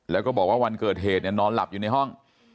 แล้วก็บอกว่าวันเกิดเหตุเนี่ยนอนหลับอยู่ในห้อง